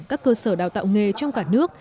các cơ sở đào tạo nghề trong cả nước